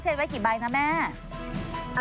แล้วทีนี้เขาก็เอาไปบ้านแฟนเขา